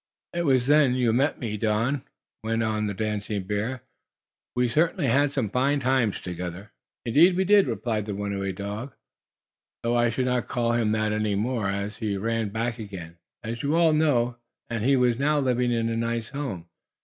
"It was then you met me, Don," went on the dancing bear. "We certainly had some fine times together!" "Indeed we did!" replied the runaway dog, though I should not call him that any more, as he had run back again, as you all know, and was now living in a nice home.